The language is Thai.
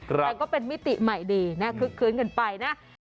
แต่ก็เป็นมิติใหม่ดีน่าคลึกคื้นกันไปนะ